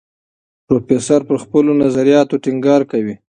پروفیسور پر خپلو نظریاتو ټینګار کوي.